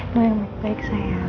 doa yang baik baik sayang